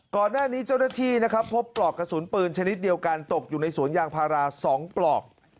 ก่อนหน้านี้เจ้าหน้าที่นะครับพบปลอกกระสุนปืนชนิดเดียวกันตกอยู่ในสวนยางพารา๒ปลอก